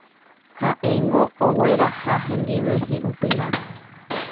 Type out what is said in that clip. Ha'éngo ogueraha hendive hi'upyrã.